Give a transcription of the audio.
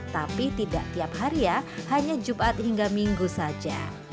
tapi tidak tiap hari ya hanya jumat hingga minggu saja